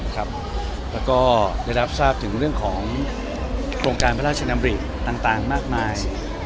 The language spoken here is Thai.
แล้วก็ได้รับทราบถึงเรื่องของโครงการพระราชดำริต่างมากมาย